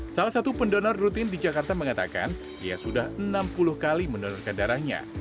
salah satu pendonor rutin di jakarta mengatakan ia sudah enam puluh kali mendonorkan darahnya